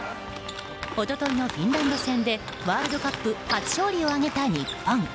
一昨日のフィンランド戦でワールドカップ初勝利を挙げた日本。